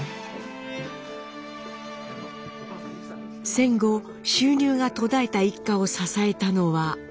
戦後収入が途絶えた一家を支えたのは。